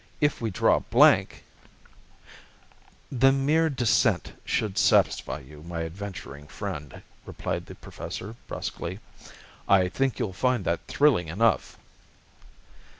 If we draw blank " "The mere descent should satisfy you, my adventuring friend," replied the Professor brusquely. "I think you'll find that thrilling enough."